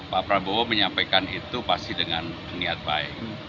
pak prabowo menyampaikan itu pasti dengan niat baik